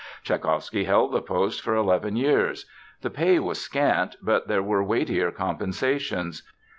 Tschaikowsky held the post for eleven years. The pay was scant, but there were weightier compensations.